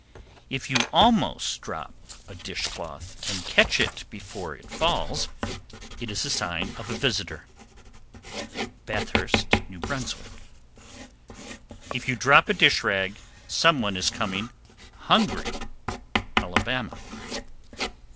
If you almost drop a dish cloth and catch it before it falls, it is a sign of a visitor. Bathurst, N.B. 747. If you drop a dish rag, some one is coming hungry. Alabama. 748.